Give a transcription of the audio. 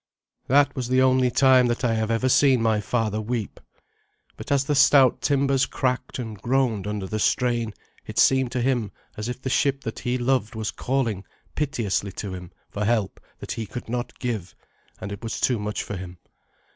That was the only time that I have ever seen my father weep. But as the stout timbers cracked and groaned under the strain it seemed to him as if the ship that he loved was calling piteously to him for help that he could not give, and it was too much for him.